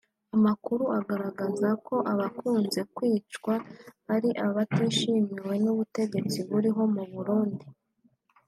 Amakuru agaragaza ko abakunze kwicwa ari abatishimiwe n’ubutegetsi buriho mu Burundi